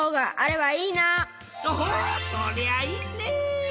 おおそりゃあいいね！